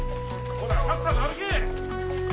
・ほらさっさと歩け！